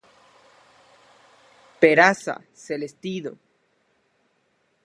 Peraza, Celestino.